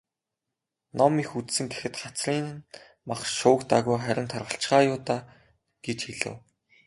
"Ном их үзсэн гэхэд хацрын нь мах шуугдаагүй, харин таргалчихаа юу даа" гэж хэлэв.